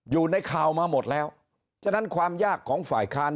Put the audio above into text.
อยู่ในข่าวมาหมดแล้วฉะนั้นความยากของฝ่ายค้าน